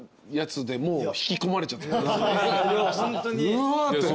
うわって。